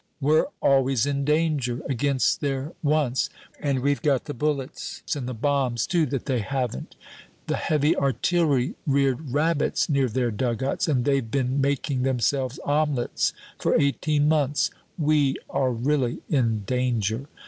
We're always in danger, against their once, and we've got the bullets and the bombs, too, that they haven't. The heavy artillery reared rabbits near their dug outs, and they've been making themselves omelettes for eighteen months. We are really in danger.